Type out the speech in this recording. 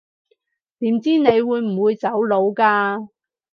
點知你會唔會走佬㗎